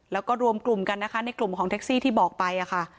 แล้วก็รวมกลุ่มกันนะคะในกลุ่มของแท็กซี่ที่บอกไปค่ะ